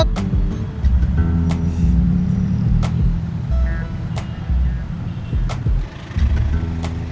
tidak ada yang bisa dikira